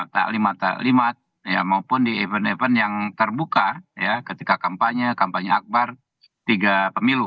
taklimat taklimat maupun di event event yang terbuka ya ketika kampanye kampanye akbar tiga pemilu